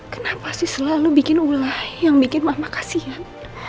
kenapa sih selalu bikin ulah yang bikin mama kasihan